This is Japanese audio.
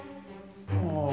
ああ。